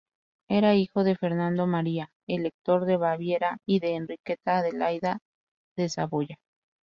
Era hijo de Fernando María, Elector de Baviera y de Enriqueta Adelaida de Saboya.